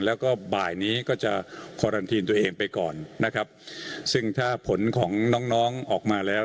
แล้วก็บ่ายนี้ก็จะคอรันทีนตัวเองไปก่อนนะครับซึ่งถ้าผลของน้องน้องออกมาแล้ว